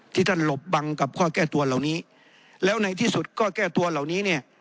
ที่ท่านหลบบังกับข้อแก้ตัวเหล่านี้แล้วในที่สุดข้อแก้ตัวเหล่านี้เนี่ย